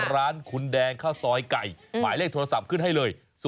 ร้านคุณแดงข้าวซอยไก่หมายเลขโทรศัพท์ขึ้นให้เลย